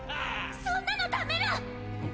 そんなのダメら！